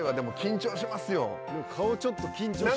顔ちょっと緊張。